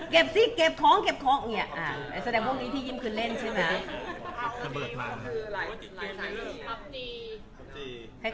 เก็บซิเก็บของเก็บของเหี้ยอ่าแสดงพวกนี้ที่ยิ้มคือเล่นใช่ไหม